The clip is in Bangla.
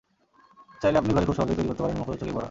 চাইলে আপনি ঘরে খুব সহজেই তৈরি করতে পারেন মুখোরোচক এই বড়া।